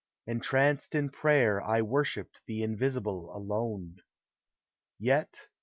Entranced in prayer 1 worshipped the Invisible alone. Yet.